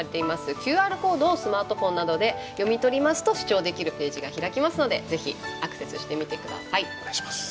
ＱＲコードをスマートフォンなどで読み取りますと視聴できるページが開きますので是非アクセスしてみてください。